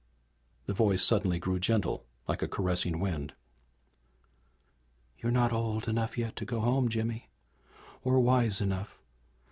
The voice grew suddenly gentle, like a caressing wind. "You're not old enough yet to go home, Jimmy! Or wise enough.